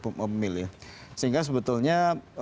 pemilih sehingga sebetulnya